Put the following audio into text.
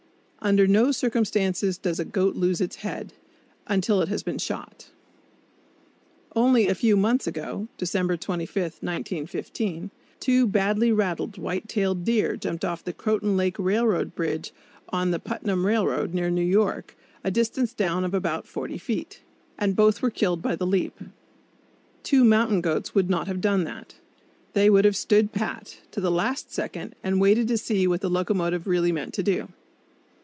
Under no circumstances does a goat lose its head until it has been shot. Only a few months ago (December 25, 1915) two badly rattled white tailed deer jumped off the Croton Lake railroad bridge on the Putnam Railroad, near New York, a distance down of about 40 feet, and both were killed by the leap. Two mountain goats would not have done that. They would have "stood pat" to the last second, and waited to see what the locomotive really meant to do.